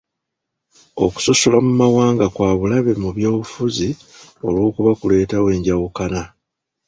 Okusosola mu mawanga kwa bulabe mu by'obufuzi olw'okuba kuleetawo enjawukana.